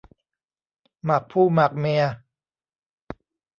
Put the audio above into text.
หมากผู้หมากเมีย